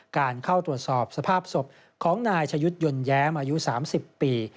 การเข้าตรวจสอบสภาพศพของนายชะยุทธ์ยนต์แย้มอายุ๓๐ปี